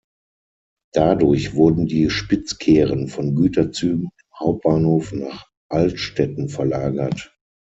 Dadurch wurden die Spitzkehren von Güterzügen im Hauptbahnhof nach Altstetten verlagert.